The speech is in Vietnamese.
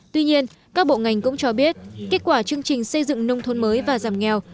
tuy nhiên các bộ ngành cũng cho biết kết quả chương trình xây dựng nông thôn mới và giảm nghèo